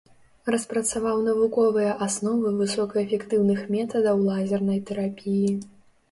Распрацаваў навуковыя асновы высокаэфектыўных метадаў лазернай тэрапіі.